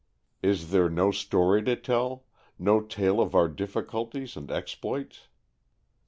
Is there no story to tell, no tale of our difficulties and exploits?